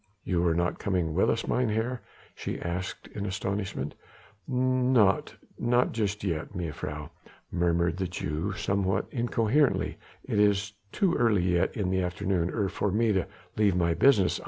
"You are not coming with us, mynheer?" she asked in astonishment. "Not ... not just yet, mejuffrouw," murmured the Jew somewhat incoherently, "it is too early yet in the afternoon ... er ... for me to ... to leave my business....